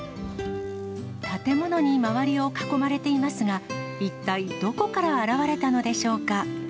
建物に周りを囲まれていますが、一体、どこから現れたのでしょうか。